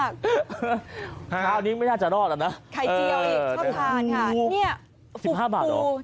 คราวนี้ไม่น่าจะรอดแล้วนะไข่เจียวอีกชอบทานค่ะเนี่ย๑๕บาทเหรอ